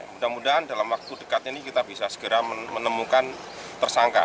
mudah mudahan dalam waktu dekat ini kita bisa segera menemukan tersangka